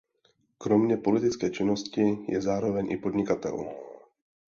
Kromě politické činnosti je zároveň i podnikatel.